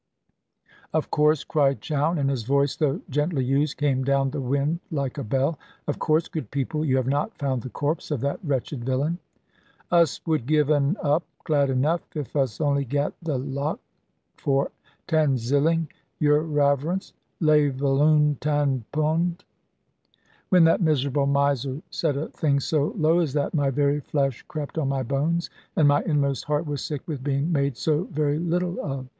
"Of course," cried Chowne, and his voice, though gently used, came down the wind like a bell; "of course, good people, you have not found the corpse of that wretched villain." "Us would giv' un up, glad enough, if us only gat the loock, for tan zhilling, your Raverance. Lave aloun tan poond." When that miserable miser said a thing so low as that, my very flesh crept on my bones, and my inmost heart was sick with being made so very little of.